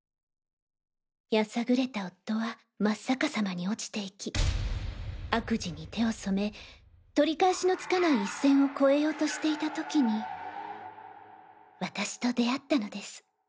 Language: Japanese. やさぐれた夫は真っ逆さまに落ちていき悪事に手を染め取り返しのつかない一線を越えようとしていた時に私と出会ったのです。